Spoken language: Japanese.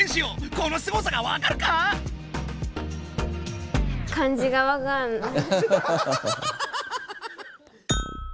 このすごさがわかるか⁉ソノマ！